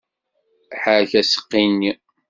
Ḥerrek aseqqi-nni!